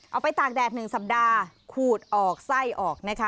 ไปตากแดด๑สัปดาห์ขูดออกไส้ออกนะคะ